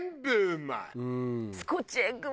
スコッチエッグも。